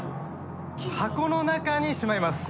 箱の中にしまいます。